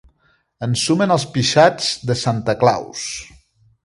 Ensumen els pixats de Santa Claus.